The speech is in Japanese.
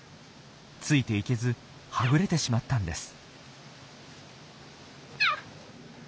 ついていけずはぐれてしまったんです。